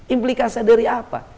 implikasi dari apa